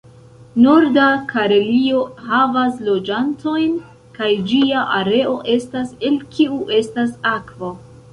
Norda Karelio havas loĝantojn kaj ĝia areo estas el kiu estas akvo.